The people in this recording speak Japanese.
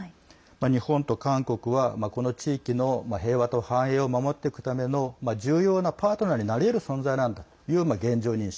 日本と韓国は、この地域の平和と繁栄を守っていくための重要なパートナーになりえる存在なんだという現状認識。